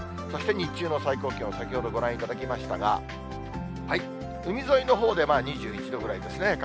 そして日中の最高気温、先ほどご覧いただきましたが、海沿いのほうで、２１度くらいですね。